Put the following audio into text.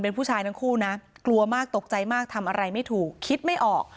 เป็นผู้ชายทั้งคู่นะกลัวมากตกใจมากทำอะไรไม่ถูกคิดไม่ออก